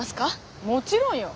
もちろんよ。